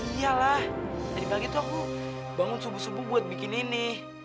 ya iyalah tadi pagi tuh aku bangun subuh subuh buat bikin ini